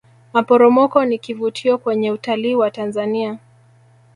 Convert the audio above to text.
maporomoko ni kivutio kwenye utalii wa tanzania